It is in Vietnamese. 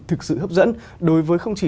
thực sự hấp dẫn đối với không chỉ